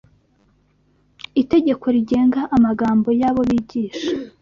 itegeko rigenga amagambo y’abo bigisha